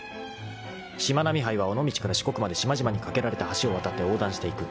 ［しまなみ杯は尾道から四国まで島々に架けられた橋を渡って横断していく］